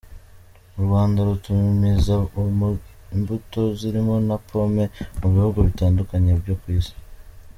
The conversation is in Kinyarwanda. U Rwanda rutumiza imbuto zirimo na Pomme mu bihugu bitandukanye byo ku Isi.